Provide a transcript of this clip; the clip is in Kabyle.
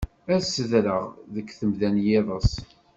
Ad zedreɣ deg temda n yiḍes.